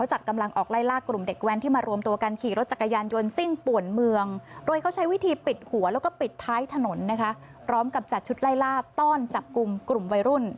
ชุดไล่ล่าต้อนจับกลุ่มกลุ่มวัยรุ่น